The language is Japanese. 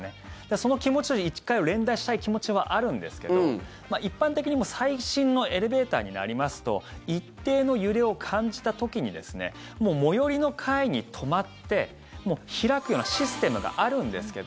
その気持ちは１階を連打したい気持ちはあるんですけど一般的に最新のエレベーターになりますと一定の揺れを感じた時に最寄りの階に止まって開くようなシステムがあるんですけど。